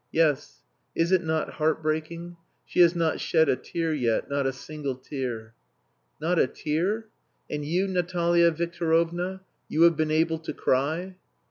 "Yes. Is it not heart breaking? She has not shed a tear yet not a single tear." "Not a tear! And you, Natalia Victorovna? You have been able to cry?"